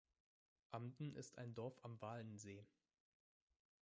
Amden ist ein Dorf am Walensee.